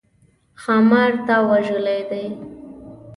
ښامار تا وژلی دی؟